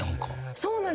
そうなんです。